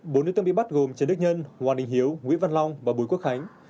bốn đối tượng bị bắt gồm trần đức nhân hoàng đình hiếu nguyễn văn long và bùi quốc khánh